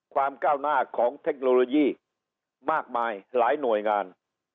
ก้าวหน้าของเทคโนโลยีมากมายหลายหน่วยงาน